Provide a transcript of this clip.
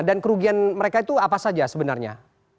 dan kerugian mereka itu apa saja sebenarnya